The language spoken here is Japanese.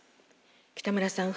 北村さん